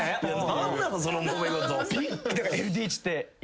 何なのそのもめ事。